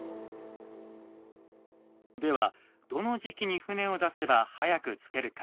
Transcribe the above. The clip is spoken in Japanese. ではどの時期に船を出せば早く着けるか。